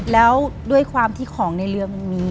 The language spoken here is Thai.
แล้วด้วยความที่ของในเรือมันมี